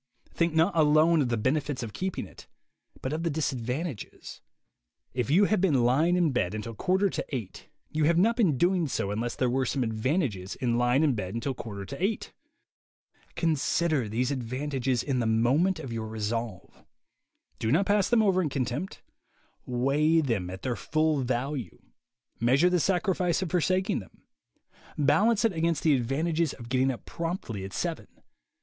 Think not alone of the benefits of keeping it, but of the disad vantages. If you have been lying in bed until quarter to eight, you have not been doing so unless there were some advantages in lying in bed until quarter to eight. Consider these advantages in the moment of your resolve. Do not pass them over in contempt. Weigh them at their full value. Measure the sacrifice of forsaking them. Balance it against the advantages of getting up promptly at seven.